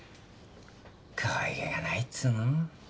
かわいげがないっつうの？